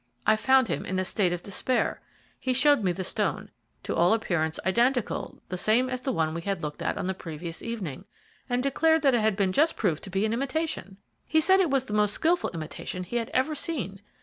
I found him in a state of despair. He showed me the stone, to all appearance identically the same as the one we had looked at on the previous evening, and declared that it had just been proved to be an imitation. He said it was the most skilful imitation he had ever seen.